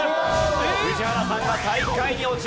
宇治原さんが最下位に落ちる。